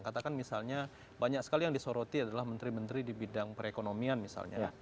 katakan misalnya banyak sekali yang disoroti adalah menteri menteri di bidang perekonomian misalnya